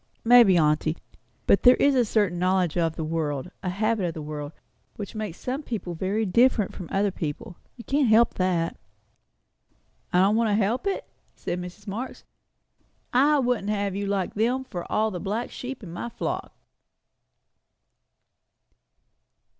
"Maybe, aunty. But there is a certain knowledge of the world, and habit of the world, which makes some people very different from other people; you can't help that." "I don't want to help it?" said Mrs. Marx. "I wouldn't have you like them, for all the black sheep in my flock."